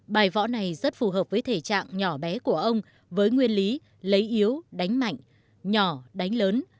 bài võ này rất phù hợp với thể trạng nhỏ bé của ông với nguyên lý lấy yếu đánh mạnh nhỏ đánh lớn